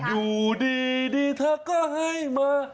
อยู่ดีเธอก็ให้มา